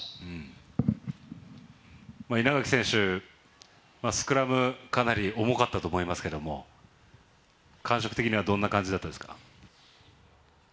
稲垣選手、スクラムかなり重かったと思いますけれど感触的にはどんな感じだったですか？